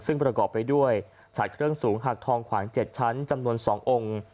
ซึ่งประกอบไปด้วยฉาดเครื่องสูงหักทองขวาง๗ชั้นจำนวน๒องค์